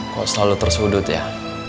kok selalu tersudut ya